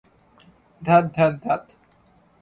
ধ্যাত, ধ্যাত, ধ্যাত!